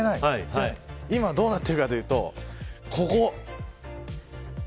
今どうなっているかというと。